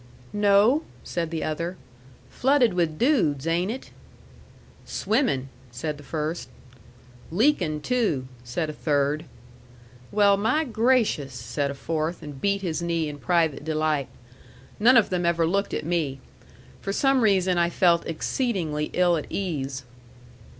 "No," said the other. "Flooded with dudes, ain't it?" "Swimmin'," said the first. "Leakin', too," said a third. "Well, my gracious!" said a fourth, and beat his knee in private delight. None of them ever looked at me. For some reason I felt exceedingly ill at ease.